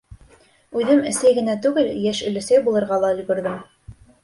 Үҙем әсәй генә түгел, йәш өләсәй булырға ла өлгөрҙөм.